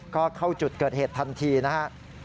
ก็เข้าจุดเกิดเหตุทันทีนะครับ